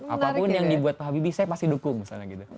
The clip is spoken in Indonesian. apapun yang dibuat pak habibie saya pasti dukung misalnya gitu